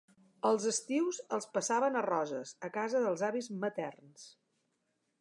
Els estius, els passaven a Roses, a casa dels avis materns.